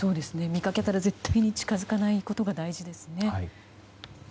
見かけたら絶対に近づかないことが大事ですね。